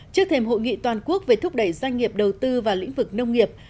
trước thềm hội nghị toàn quốc về thúc đẩy doanh nghiệp đầu tư và lĩnh vực nông nghiệp